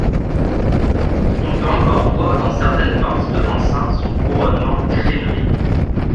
On peut encore voir dans certaines parties de l'enceinte son couronnement crénelé.